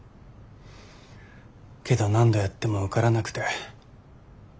けど何度やっても受からなくて。